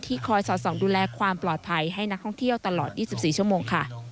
คอยสอดส่องดูแลความปลอดภัยให้นักท่องเที่ยวตลอด๒๔ชั่วโมงค่ะ